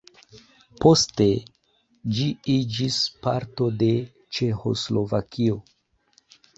Poste ĝi iĝis parto de Ĉeĥoslovakio.